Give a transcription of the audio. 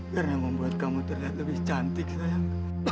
karena membuat kamu terlihat lebih cantik sayang